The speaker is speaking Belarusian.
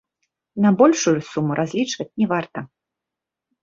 На большую суму разлічваць не варта.